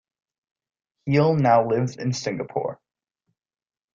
Heal now lives in Singapore.